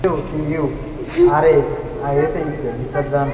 এই ব্যাপারে ডেনমার্ক বাংলাদেশকে প্রযুক্তিগত সহায়তা দিচ্ছে।